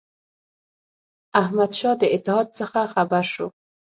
احمدشاه د اتحاد څخه خبر شو.